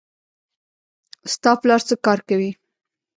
ستا پلار څه کار کوي